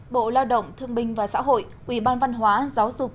bộ lao động thương minh và xã hội quỹ ban văn hóa giáo dục